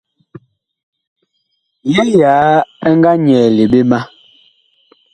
Yee yaa ɛ nga nyɛɛle ɓe ma.